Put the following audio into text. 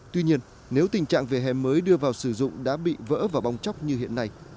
tuy nhiên nếu tình trạng vỉa hè mới đưa vào sử dụng đã bị vỡ và bong chóc như hiện nay